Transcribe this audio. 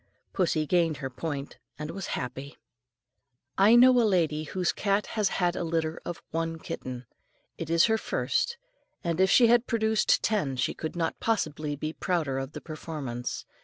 Pussy gained her point and was happy. I know a lady whose cat has had a litter of one kitten. It is her first, and if she had produced ten she could not possibly be prouder of the performance.